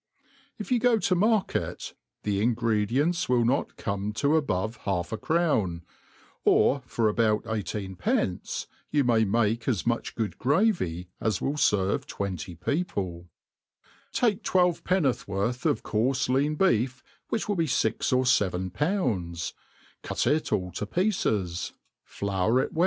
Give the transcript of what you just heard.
If you go to market y the ingredients will pot ami U above half a crown % or for about eighteen pence you may make as much good gravy as willferve twenty people* Take twelve penny worth of coarfe lean beef, which will be fix or feven*^pound$» cyt it all to pieces, flour •■ It \' TV fbff READER.